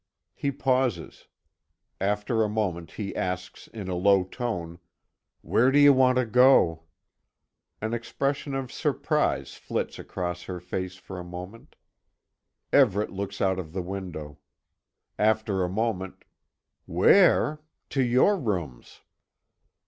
He pauses. After a moment, he asks in a low tone: "Where do you want to go?" An expression of surprise flits across her face for a moment. Everet looks out of the window. After a moment: "Where? To your rooms."